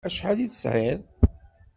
Acḥal i tesɛiḍ?